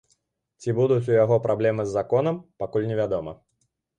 Ці будуць у яго праблемы з законам, пакуль невядома.